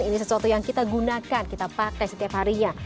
ini sesuatu yang kita gunakan kita pakai setiap harinya